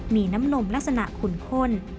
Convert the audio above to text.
มีน้ำนมลักษณะขุนข้น